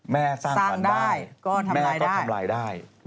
แม่สร้างขวัญได้แม่ก็ทำร้ายได้